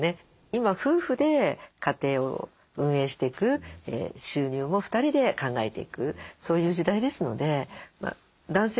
今夫婦で家庭を運営していく収入も２人で考えていくそういう時代ですので男性もね